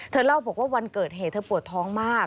เล่าบอกว่าวันเกิดเหตุเธอปวดท้องมาก